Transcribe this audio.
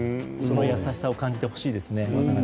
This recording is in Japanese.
その優しさを感じてほしいですね。